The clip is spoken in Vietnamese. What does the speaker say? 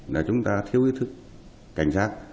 là chúng ta thiếu ý thức cảnh giác